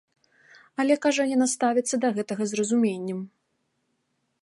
Але, кажа, яна ставіцца да гэтага з разуменнем.